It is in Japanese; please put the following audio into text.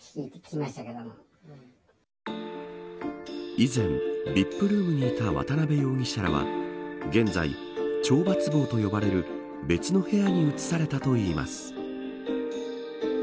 以前、ＶＩＰルームにいた渡辺容疑者らは現在、懲罰房と呼ばれる別の部屋に移されたといいます。